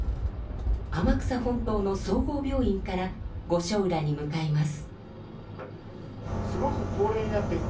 天草本島の総合病院から御所浦に向かいます。